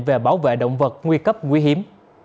về bảo vệ động vật nguy cấp nguy hiểm